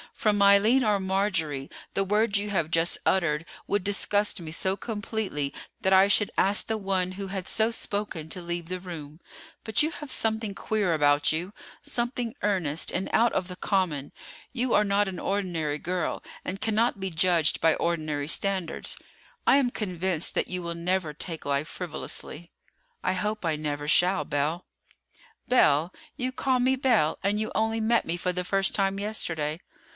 From Eileen or Marjorie the words you have just uttered would disgust me so completely that I should ask the one who had so spoken to leave the room; but you have something queer about you, something earnest and out of the common; you are not an ordinary girl, and cannot be judged by ordinary standards. I am convinced that you will never take life frivolously." "I hope I never shall, Belle." "Belle! You call me Belle, and you only met me for the first time yesterday!"